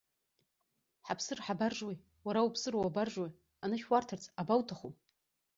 Ҳаԥсыр ҳабаржуеи, уара уԥсыр уабаржуеи, анышә уарҭарц абауҭаху?